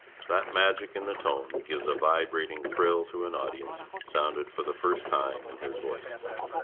That magic in the tone that gives a vibrating thrill to an audience sounded for the first time in his voice.